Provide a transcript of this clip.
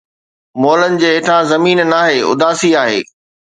مئلن جي هيٺان زمين ناهي، اداسي آهي